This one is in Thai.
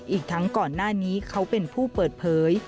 อีกทั้งก่อนหน้านี้เขาเป็นผู้เปิดเผย